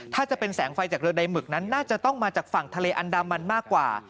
ถ้าจะเป็นแสงไฟจากเรือใดหมึกนั้นน่าจะต้องมาจากฝั่งทะเลอันดามันมากกว่า